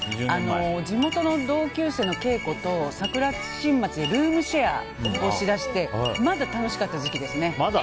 地元の同級生のケイコと桜新町でルームシェアをし出してまだ楽しかった時期ですね。